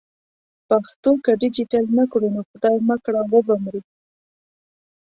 پښتو که ډیجیټل نه کړو نو خدای مه کړه و به مري.